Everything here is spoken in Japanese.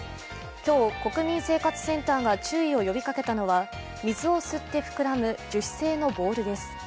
今日、国民生活センターが注意を呼びかけたのは水を吸って膨らむ樹脂製のボールです。